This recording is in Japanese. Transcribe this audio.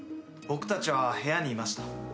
僕たちは部屋にいました。